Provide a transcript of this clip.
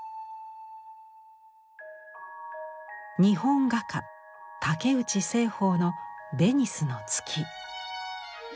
日本画家竹内栖鳳の「ベニスの月」。